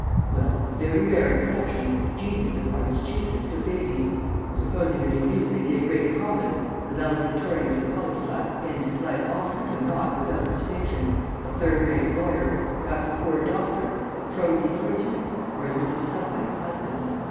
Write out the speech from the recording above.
"Well, with very rare exceptions geniuses are the stupidest of babies, or, supposing that in youth they give great promise, the valedictorian of his college class ends his life oftener than not without distinction, a third rate lawyer, perhaps a poor doctor, a prosy clergyman, or as Mrs. Somebody's husband.